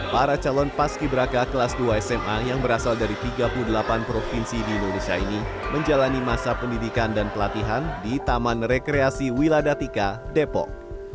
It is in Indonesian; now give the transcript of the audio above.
para calon paski beraka kelas dua sma yang berasal dari tiga puluh delapan provinsi di indonesia ini menjalani masa pendidikan dan pelatihan di taman rekreasi wiladatika depok